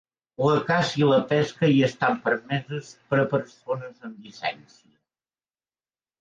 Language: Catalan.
La caça i la pesca hi estan permeses per a persones amb llicència.